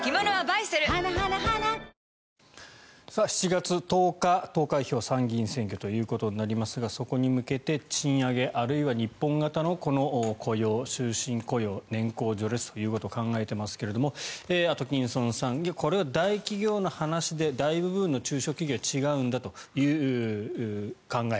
７月１０日投開票参議院選挙となりますがそこに向けて賃上げあるいは日本型のこの雇用終身雇用、年功序列ということを考えていますがアトキンソンさんこれは大企業の話で大部分の中小企業は違うんだという考え